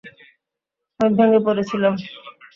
আমি ভেঙে পড়েছিলাম।